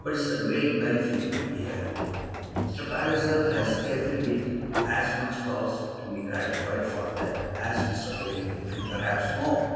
"But it is a great benefit, my dear." "Mr. Palliser has every bit as much cause to be gratified for that as Mr. Grey, and perhaps more."